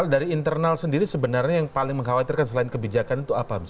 kalau dari internal sendiri sebenarnya yang paling mengkhawatirkan selain kebijakan itu apa